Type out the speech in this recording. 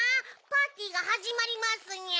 パーティーがはじまりますにゃ。